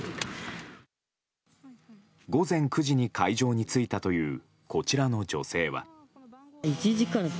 午前９時に会場に着いたというこちらの女性は。